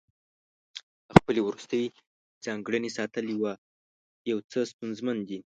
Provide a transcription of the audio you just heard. د خپلې وروستۍ ځانګړنې ساتل یو څه ستونزمن دي.